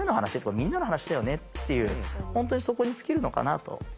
みんなの話だよねっていう本当にそこに尽きるのかなと。